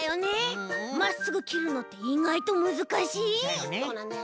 まっすぐきるのっていがいとむずかしい！だよね！